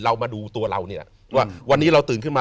เรามาดูตัวเรานี่แหละว่าวันนี้เราตื่นขึ้นมา